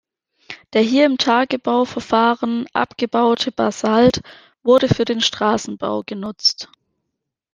Der hier im Tagebau-Verfahren abgebaute Basalt wurde für den Straßenbau genutzt.